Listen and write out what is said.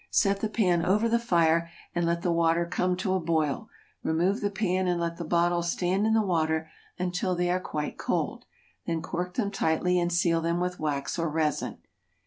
Set the pan over the fire and let the water come to a boil; remove the pan and let the bottles stand in the water until they are quite cold. Then cork them tightly, and seal them with wax or resin.